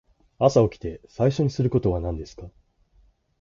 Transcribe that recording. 朝起きて最初にすることは何ですか。